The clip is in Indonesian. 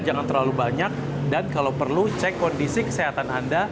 jangan terlalu banyak dan kalau perlu cek kondisi kesehatan anda